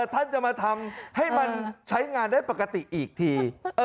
ท่านจะมาทำให้มันใช้งานได้ปกติอีกที